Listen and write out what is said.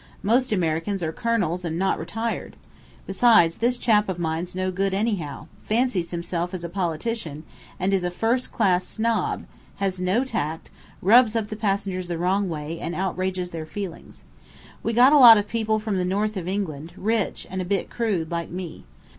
Most Americans are colonels and not retired. Besides, this chap of mine's no good anyhow fancies himself as a politician, and is a first class snob; has no tact; rubs up the passengers the wrong way, and outrages their feelings. We got a lot of people from the north of England, rich and a bit crude, like me.